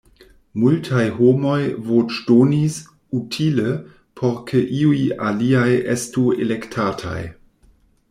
Multaj homoj voĉdonis "utile" por ke iuj aliaj estu elektataj.